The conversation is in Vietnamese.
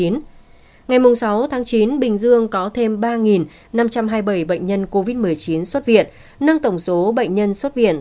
ngày sáu chín bình dương có thêm ba năm trăm hai mươi bảy bệnh nhân covid một mươi chín xuất viện nâng tổng số bệnh nhân xuất viện